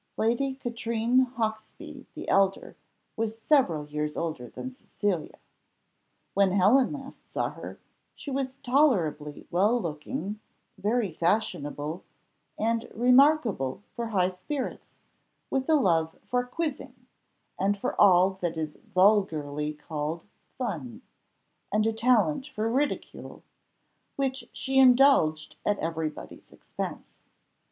Lady Katrine Hawksby, the elder, was several years older than Cecilia. When Helen last saw her, she was tolerably well looking, very fashionable, and remarkable for high spirits, with a love for quizzing, and for all that is vulgarly called fun, and a talent for ridicule, which she indulged at everybody's expense.